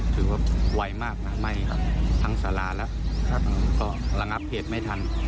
ถือว่าไวมากนะไหม้ครับทั้งสาราแล้วก็ระงับเหตุไม่ทัน